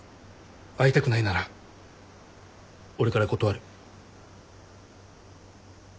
会いたくないなら俺から断る。